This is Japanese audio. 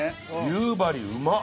夕張うまっ。